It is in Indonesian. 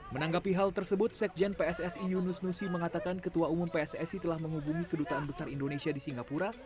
menanggapi hal tersebut sekjen pssi yunus nusi mengatakan ketua umum pssi telah menghubungi kedutaan besar indonesia di singapura